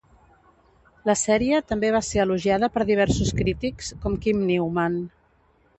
La sèrie també va ser elogiada per diversos crítics, com Kim Newman.